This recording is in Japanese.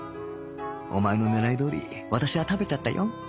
お前の狙いどおり私は食べちゃったよ